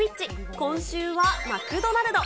今週は、マクドナルド。